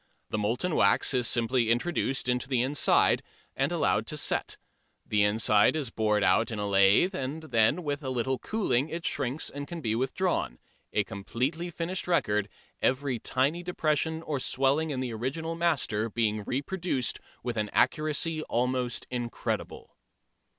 The molten wax is simply introduced into the inside, and allowed to set; the inside is bored out in a lathe, and then with a little cooling it shrinks and can be withdrawn, a completely finished record, every tiny depression or swelling in the original master being reproduced with an accuracy almost incredible.